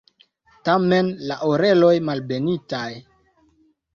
Tamen la oreloj malbenitaj.